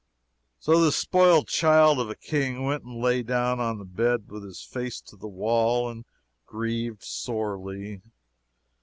So this spoiled child of a King went and lay down on the bed with his face to the wall, and grieved sorely.